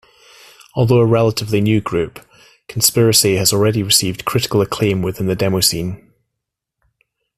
Although a relatively new group, Conspiracy has already received critical acclaim within the demoscene.